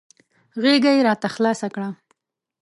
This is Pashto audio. غېږه یې راته خلاصه کړه .